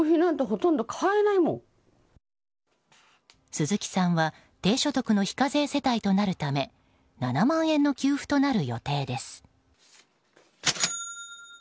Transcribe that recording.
鈴木さんは低所得の非課税世帯となるため７万円の給付となる予定です。